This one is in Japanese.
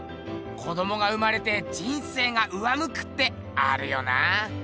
子どもが生まれて人生が上むくってあるよな。